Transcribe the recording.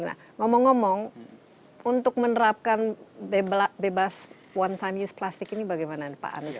nah ngomong ngomong untuk menerapkan bebas one time use plastik ini bagaimana pak anies